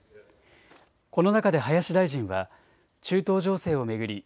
この中で林大臣は中東情勢を巡り